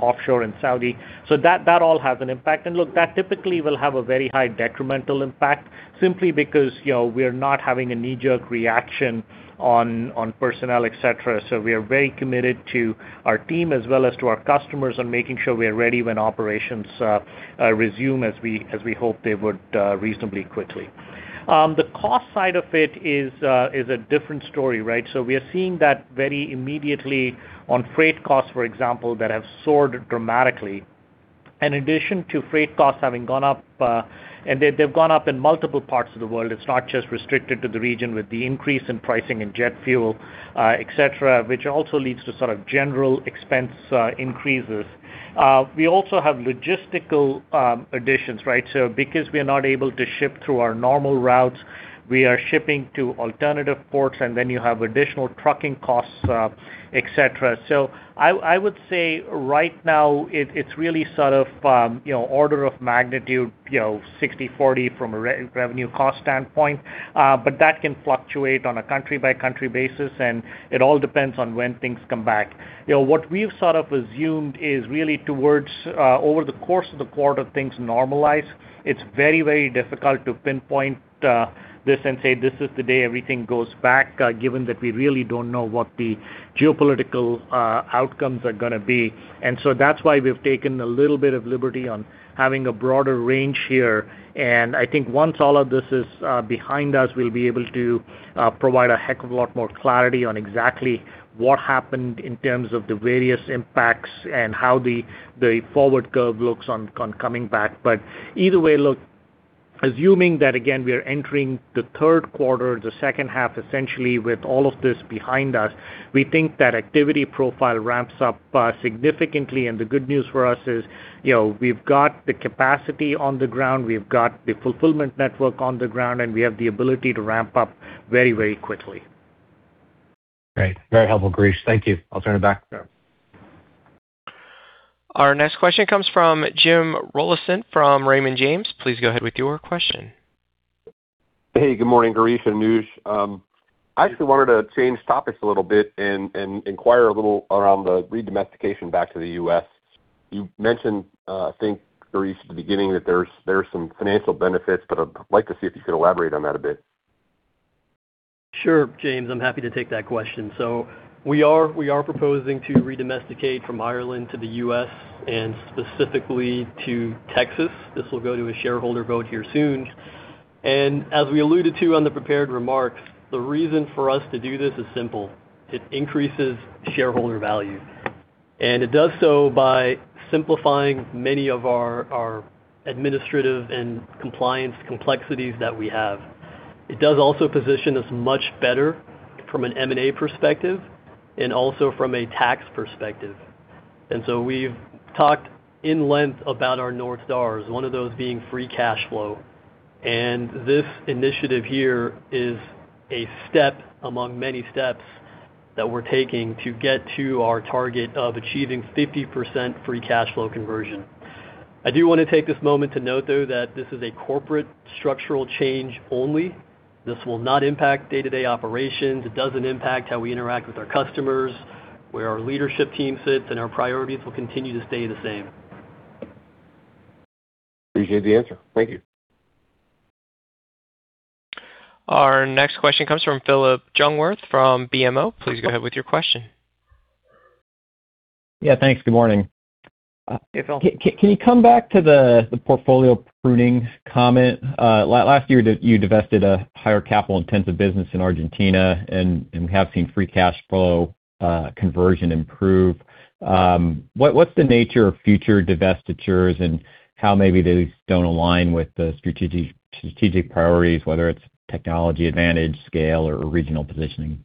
offshore and Saudi. That all has an impact. Look, that typically will have a very high detrimental impact simply because we are not having a knee-jerk reaction on personnel, et cetera. We are very committed to our team as well as to our customers on making sure we are ready when operations resume as we hope they would reasonably quickly. The cost side of it is a different story, right? We are seeing that very immediately on freight costs, for example, that have soared dramatically. In addition to freight costs having gone up, and they've gone up in multiple parts of the world. It's not just restricted to the region with the increase in pricing in jet fuel, et cetera, which also leads to sort of general expense increases. We also have logistical additions, right? Because we are not able to ship through our normal routes, we are shipping to alternative ports, and then you have additional trucking costs, et cetera. I would say right now it's really sort of order of magnitude, 60/40 from a revenue cost standpoint. That can fluctuate on a country-by-country basis, and it all depends on when things come back. What we've sort of assumed is really towards, over the course of the quarter, things normalize. It's very, very difficult to pinpoint this and say, "This is the day everything goes back," given that we really don't know what the geopolitical outcomes are gonna be. That's why we've taken a little bit of liberty on having a broader range here. I think once all of this is behind us, we'll be able to provide a heck of a lot more clarity on exactly what happened in terms of the various impacts and how the forward curve looks on coming back. Either way, look, assuming that, again, we are entering the Q3, the H2, essentially with all of this behind us, we think that activity profile ramps up significantly, and the good news for us is we've got the capacity on the ground, we've got the fulfillment network on the ground, and we have the ability to ramp up very, very quickly. Great. Very helpful, Girish. Thank you. I'll turn it back. Our next question comes from Jim Rollyson from Raymond James. Please go ahead with your question. Hey, good morning, Girish and Anuj. I actually wanted to change topics a little bit and inquire a little around the re-domestication back to the U.S. You mentioned, I think, Girish, at the beginning that there's some financial benefits, but I'd like to see if you could elaborate on that a bit. Sure, James. I'm happy to take that question. We are proposing to re-domesticate from Ireland to the U.S., and specifically to Texas. This will go to a shareholder vote here soon. As we alluded to on the prepared remarks, the reason for us to do this is simple. It increases shareholder value, and it does so by simplifying many of our administrative and compliance complexities that we have. It does also position us much better from an M&A perspective and also from a tax perspective. We've talked in length about our North Stars, one of those being free cash flow. This initiative here is a step among many steps that we're taking to get to our target of achieving 50% free cash flow conversion. I do want to take this moment to note, though, that this is a corporate structural change only. This will not impact day-to-day operations. It doesn't impact how we interact with our customers. Where our leadership team sits and our priorities will continue to stay the same. Appreciate the answer. Thank you. Our next question comes from Phillip Jungwirth from BMO. Please go ahead with your question. Yeah, thanks. Good morning. Hey, Phil. Can you come back to the portfolio pruning comment? Last year, you divested a higher capital-intensive business in Argentina and have seen free cash flow conversion improve. What's the nature of future divestitures and how maybe these don't align with the strategic priorities, whether it's technology advantage, scale, or regional positioning?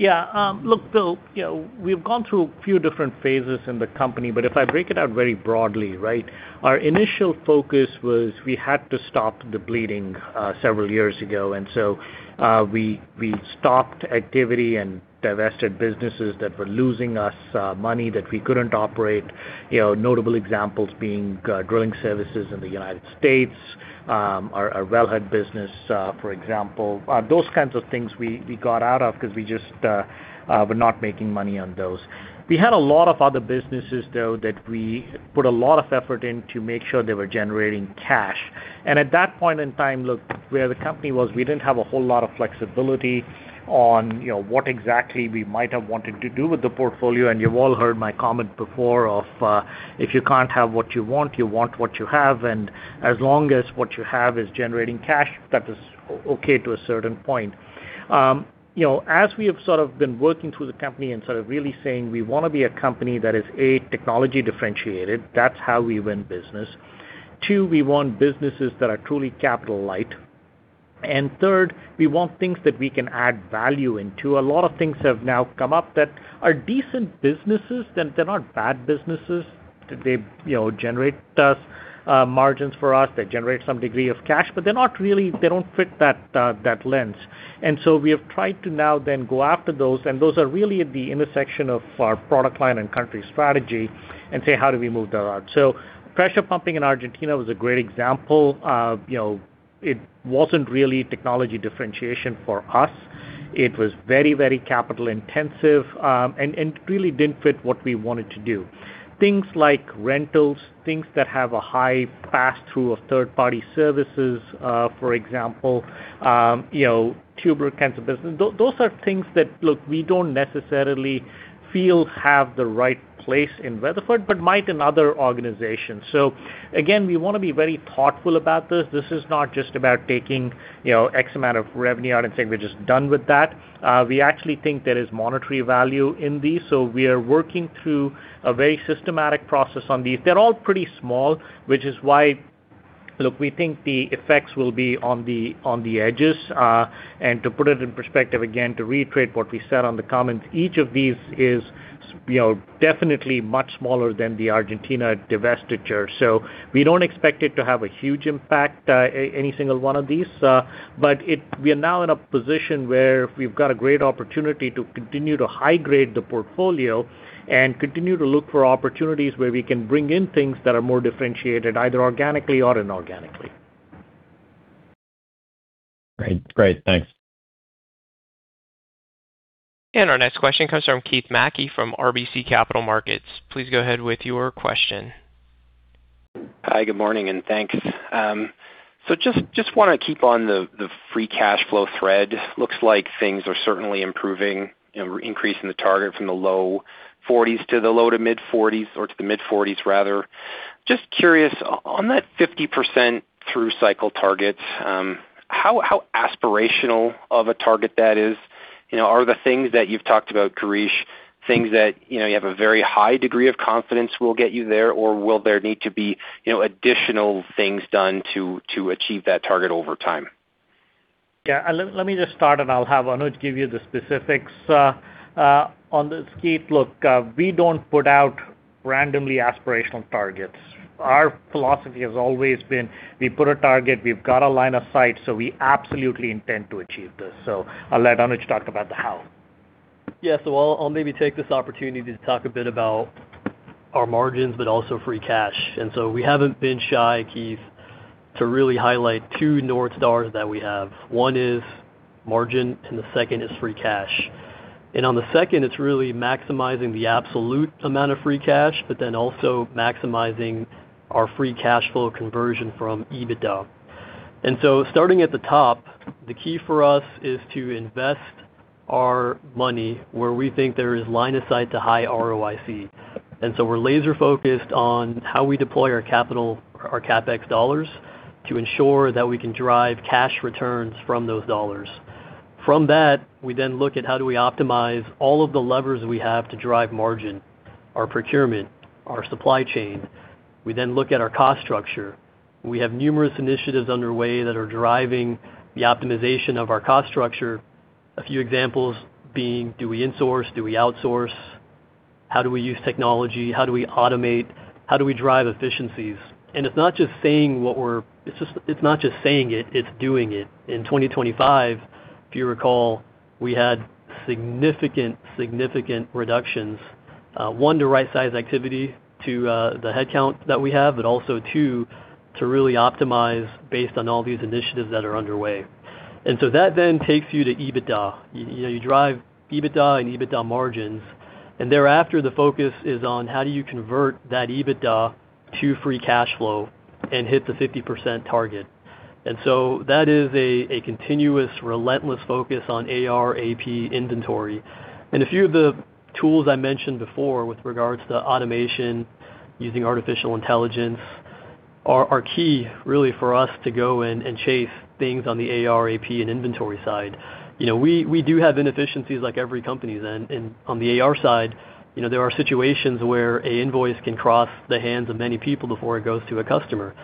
Yeah. Look, Phillip, we've gone through a few different phases in the company, but if I break it out very broadly, right? Our initial focus was we had to stop the bleeding several years ago. We stopped activity and divested businesses that were losing us money that we couldn't operate. Notable examples being drilling services in the United States, our wellhead business, for example. Those kinds of things we got out of because we just were not making money on those. We had a lot of other businesses, though, that we put a lot of effort in to make sure they were generating cash. At that point in time, look, where the company was, we didn't have a whole lot of flexibility on what exactly we might have wanted to do with the portfolio. You've all heard my comment before of, if you can't have what you want, you want what you have, and as long as what you have is generating cash, that is okay to a certain point. As we have sort of been working through the company and sort of really saying we want to be a company that is, A, technology differentiated. That's how we win business. Two, we want businesses that are truly capital light. And third, we want things that we can add value into. A lot of things have now come up that are decent businesses. They're not bad businesses. They generate margins for us. They generate some degree of cash, but they don't fit that lens. We have tried to now then go after those, and those are really at the intersection of our product line and country strategy and say, "How do we move that out?" Pressure pumping in Argentina was a great example. It wasn't really technology differentiation for us. It was very capital intensive, and really didn't fit what we wanted to do. Things like rentals, things that have a high pass-through of third-party services, for example, tubular kinds of business. Those are things that, look, we don't necessarily feel have the right place in Weatherford, but might in other organizations. We want to be very thoughtful about this. This is not just about taking X amount of revenue out and saying we're just done with that. We actually think there is monetary value in these, so we are working through a very systematic process on these. They're all pretty small, which is why, look, we think the effects will be on the edges. To put it in perspective, again, to reiterate what we said on the comments, each of these is definitely much smaller than the Argentina divestiture. We don't expect it to have a huge impact, any single one of these. We are now in a position where we've got a great opportunity to continue to high grade the portfolio and continue to look for opportunities where we can bring in things that are more differentiated, either organically or inorganically. Great. Thanks. Our next question comes from Keith Mackey from RBC Capital Markets. Please go ahead with your question. Hi, good morning, and thanks. Just want to keep on the free cash flow thread. Looks like things are certainly improving, increasing the target from the low 40s to the low to mid-40s or to the mid-40s rather. Just curious, on that 50% through cycle targets, how aspirational of a target that is? Are the things that you've talked about, Girish, things that you have a very high degree of confidence will get you there, or will there need to be additional things done to achieve that target over time? Yeah. Let me just start, and I'll have Anuj give you the specifics. On this, Keith, look, we don't put out randomly aspirational targets. Our philosophy has always been we put a target, we've got a line of sight, so we absolutely intend to achieve this. I'll let Anuj talk about the how. Yeah. I'll maybe take this opportunity to talk a bit about our margins, but also free cash. We haven't been shy, Keith, to really highlight two north stars that we have. One is margin, and the second is free cash. On the second, it's really maximizing the absolute amount of free cash, but then also maximizing our free cash flow conversion from EBITDA. Starting at the top, the key for us is to invest our money where we think there is line of sight to high ROIC. We're laser-focused on how we deploy our capital, our CapEx dollars to ensure that we can drive cash returns from those dollars. From that, we then look at how do we optimize all of the levers we have to drive margin, our procurement, our supply chain. We then look at our cost structure. We have numerous initiatives underway that are driving the optimization of our cost structure. A few examples being, do we insource, do we outsource? How do we use technology? How do we automate? How do we drive efficiencies? It's not just saying it's doing it. In 2025, if you recall, we had significant reductions. One, to right-size activity to the headcount that we have, but also, two, to really optimize based on all these initiatives that are underway. That then takes you to EBITDA. You drive EBITDA and EBITDA margins, and thereafter, the focus is on how do you convert that EBITDA to free cash flow and hit the 50% target. That is a continuous, relentless focus on AR, AP inventory. A few of the tools I mentioned before with regards to automation using artificial intelligence are key really for us to go in and chase things on the AR, AP, and inventory side. We do have inefficiencies like every company then. On the AR side there are situations where an invoice can cross the hands of many people before it goes to a customer.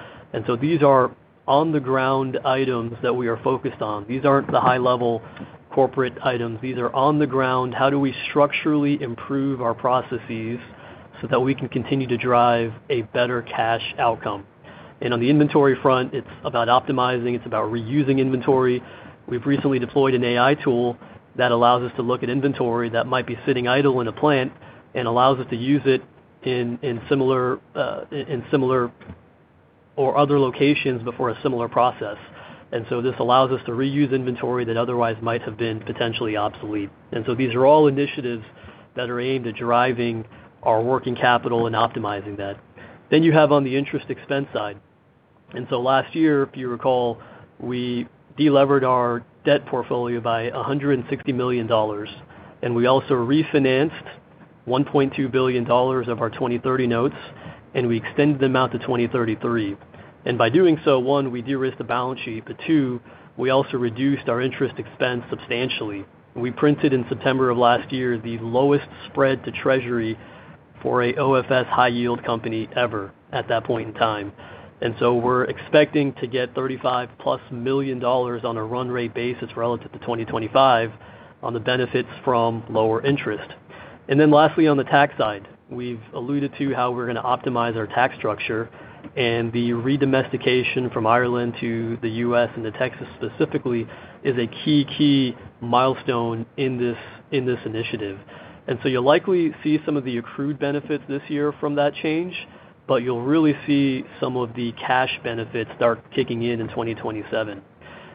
These are on-the-ground items that we are focused on. These aren't the high-level corporate items. These are on the ground. How do we structurally improve our processes so that we can continue to drive a better cash outcome? On the inventory front, it's about optimizing, it's about reusing inventory. We've recently deployed an AI tool that allows us to look at inventory that might be sitting idle in a plant and allows us to use it in similar or other locations before a similar process. This allows us to reuse inventory that otherwise might have been potentially obsolete. These are all initiatives that are aimed at driving our working capital and optimizing that. You have on the interest expense side. Last year, if you recall, we delevered our debt portfolio by $160 million, and we also refinanced $1.2 billion of our 2030 notes, and we extended them out to 2033. By doing so, one, we de-risked the balance sheet, but two, we also reduced our interest expense substantially. We printed in September of last year the lowest spread to Treasury for an OFS high-yield company ever at that point in time. We're expecting to get $35+ million on a run rate basis relative to 2025 on the benefits from lower interest. Lastly, on the tax side, we've alluded to how we're going to optimize our tax structure and the re-domestication from Ireland to the U.S. and to Texas specifically is a key milestone in this initiative. You'll likely see some of the accrued benefits this year from that change, but you'll really see some of the cash benefits start kicking in in 2027.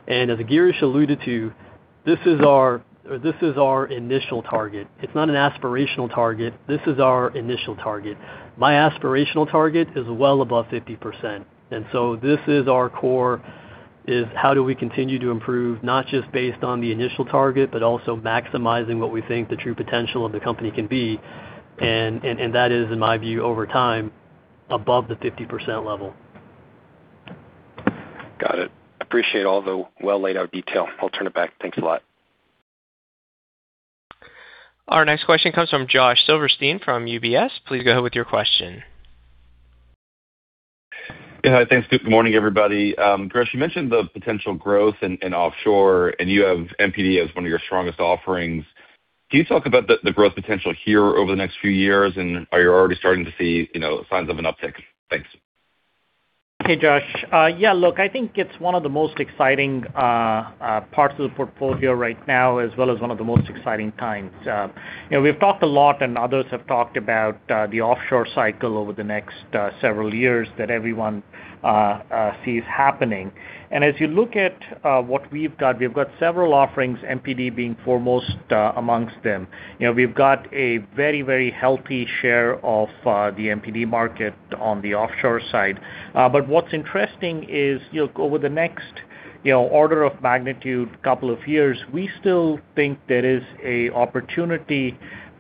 As Girish alluded to, this is our initial target. It's not an aspirational target. This is our initial target. My aspirational target is well above 50%. This is our core, is how do we continue to improve, not just based on the initial target, but also maximizing what we think the true potential of the company can be. That is, in my view, over time, above the 50% level. Got it. Appreciate all the well laid out detail. I'll turn it back. Thanks a lot. Our next question comes from Josh Silverstein from UBS. Please go ahead with your question. Yeah. Thanks. Good morning, everybody. Girish, you mentioned the potential growth in offshore, and you have MPD as one of your strongest offerings. Can you talk about the growth potential here over the next few years? And are you already starting to see signs of an uptick? Thanks. Hey, Josh. Yeah, look, I think it's one of the most exciting parts of the portfolio right now, as well as one of the most exciting times. We've talked a lot and others have talked about the offshore cycle over the next several years that everyone sees happening. As you look at what we've got, we've got several offerings, MPD being foremost amongst them. We've got a very healthy share of the MPD market on the offshore side. What's interesting is over the next order of magnitude, couple of years, we still think there is an opportunity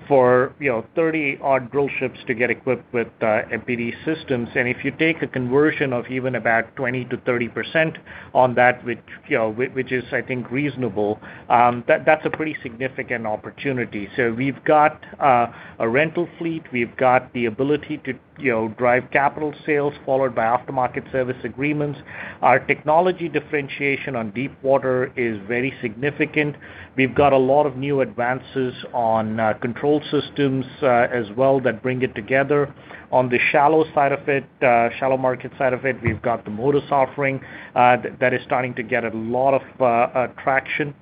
for 30-odd drill ships to get equipped with MPD systems. If you take a conversion of even about 20%-30% on that, which is, I think, reasonable, that's a pretty significant opportunity. We've got a rental fleet. We've got the ability to drive capital sales followed by aftermarket service agreements. Our technology differentiation on deep water is very significant. We've got a lot of new advances on control systems as well that bring it together. On the shallow market side of it, we've got the Motus offering that is starting to get a lot of traction.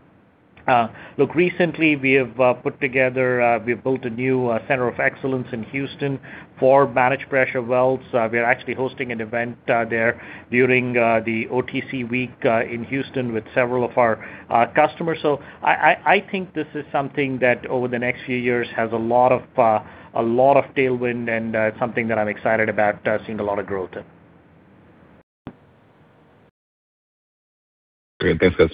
Look, recently we have put together, we've built a new center of excellence in Houston for Managed Pressure Drilling. We're actually hosting an event there during the OTC week in Houston with several of our customers. I think this is something that over the next few years has a lot of tailwind and something that I'm excited about seeing a lot of growth in. Great. Thanks, guys.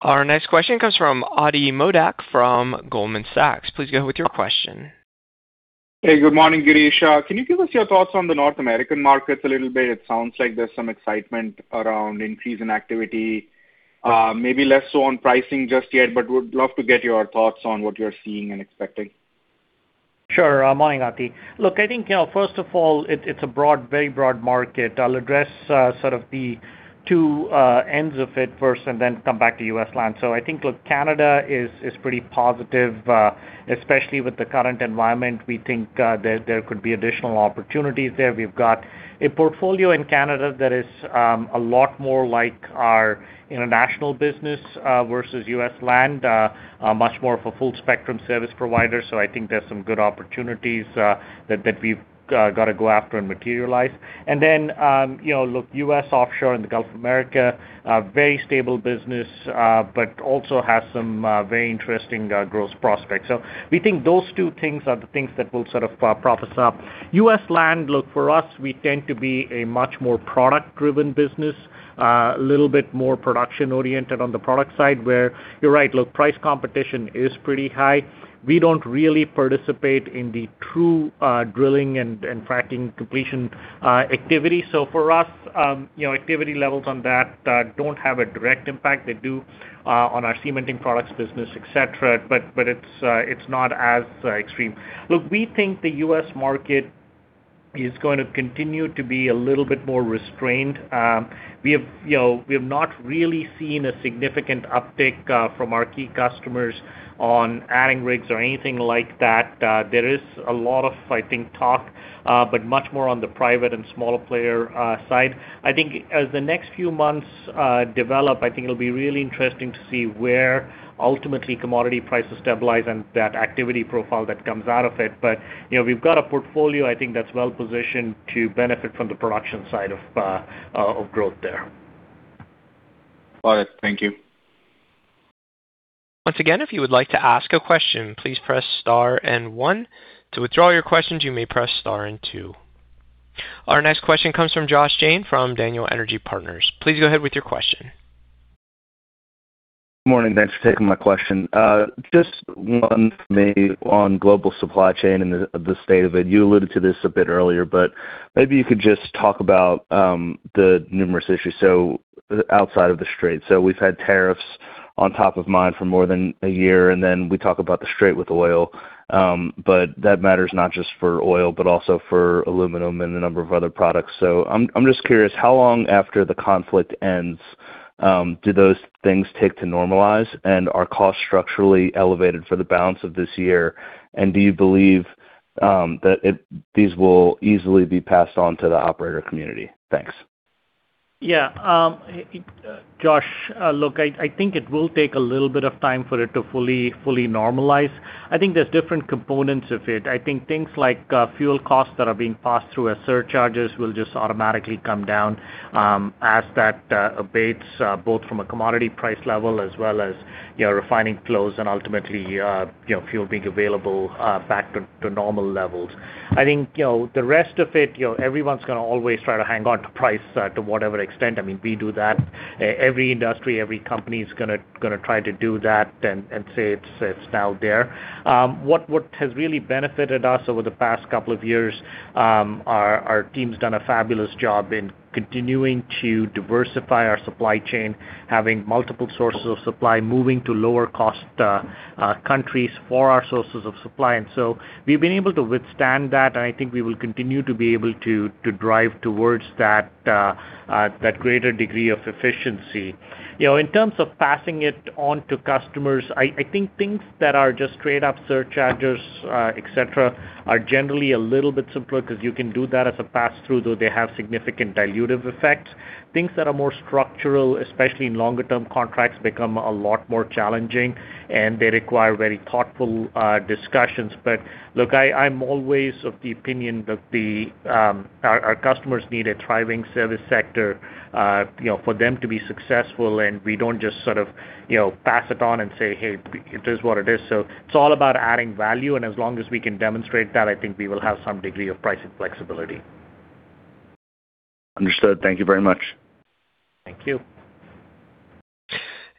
Our next question comes from Atidrip Modak from Goldman Sachs. Please go ahead with your question. Hey, good morning, Girish. Can you give us your thoughts on the North American markets a little bit? It sounds like there's some excitement around an increase in activity. Maybe less so on pricing just yet, but would love to get your thoughts on what you're seeing and expecting. Sure. Morning, Atidrip. Look, I think first of all, it's a very broad market. I'll address sort of the two ends of it first and then come back to U.S. land. I think, look, Canada is pretty positive. Especially with the current environment, we think there could be additional opportunities there. We've got a portfolio in Canada that is a lot more like our international business versus U.S. land, much more of a full spectrum service provider. I think there's some good opportunities, that we've got to go after and materialize. Then, look, U.S. offshore in the Gulf of Mexico, a very stable business, but also has some very interesting growth prospects. We think those two things are the things that will sort of prop us up. U.S. land, look, for us, we tend to be a much more product-driven business. A little bit more production oriented on the product side where you're right, look, price competition is pretty high. We don't really participate in the true drilling and fracking completion activity. For us, activity levels on that don't have a direct impact. They do on our cementing products business, et cetera, but it's not as extreme. Look, we think the U.S. market is going to continue to be a little bit more restrained. We have not really seen a significant uptick from our key customers on adding rigs or anything like that. There is a lot of, I think, talk, but much more on the private and smaller player side. I think as the next few months develop, I think it'll be really interesting to see where ultimately commodity prices stabilize and that activity profile that comes out of it. We've got a portfolio, I think that's well-positioned to benefit from the production side of growth there. Got it. Thank you. Our next question comes from Josh Jayne from Daniel Energy Partners. Please go ahead with your question. Morning, thanks for taking my question. Just one for me on global supply chain and the state of it. You alluded to this a bit earlier, but maybe you could just talk about the numerous issues outside of the Strait. We've had tariffs on top of mind for more than a year, and then we talk about the Strait with oil. That matters not just for oil, but also for aluminum and a number of other products. I'm just curious, how long after the conflict ends, do those things take to normalize? And are costs structurally elevated for the balance of this year? And do you believe that these will easily be passed on to the operator community? Thanks. Yeah. Josh, look, I think it will take a little bit of time for it to fully normalize. I think there's different components of it. I think things like fuel costs that are being passed through as surcharges will just automatically come down, as that abates, both from a commodity price level as well as refining flows and ultimately, fuel being available, back to normal levels. I think, the rest of it, everyone's gonna always try to hang on to price to whatever extent. I mean, we do that. Every industry, every company's gonna try to do that and say it's now there. What has really benefited us over the past couple of years, our team's done a fabulous job in continuing to diversify our supply chain, having multiple sources of supply, moving to lower cost countries for our sources of supply. We've been able to withstand that, and I think we will continue to be able to drive towards that greater degree of efficiency. In terms of passing it on to customers, I think things that are just straight up surcharges, et cetera, are generally a little bit simpler because you can do that as a pass-through, though they have significant dilutive effects. Things that are more structural, especially in longer term contracts, become a lot more challenging and they require very thoughtful discussions. Look, I'm always of the opinion that our customers need a thriving service sector for them to be successful, and we don't just sort of pass it on and say, "Hey, it is what it is." It's all about adding value, and as long as we can demonstrate that, I think we will have some degree of pricing flexibility. Understood. Thank you very much. Thank you.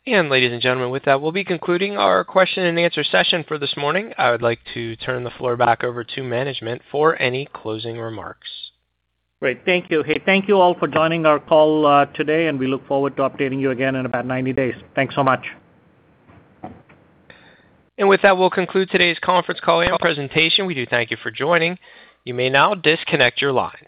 Ladies and gentlemen, with that, we'll be concluding our question and answer session for this morning. I would like to turn the floor back over to management for any closing remarks. Great. Thank you. Hey, thank you all for joining our call today, and we look forward to updating you again in about 90 days. Thanks so much. With that, we'll conclude today's conference call and presentation. We do thank you for joining. You may now disconnect your line.